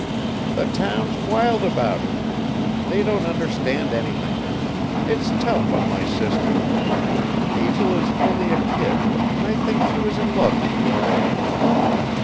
"The town's wild about it. They don't understand anything. It's tough on my sister. Hazel is only a kid, and I think she was in love with Warren.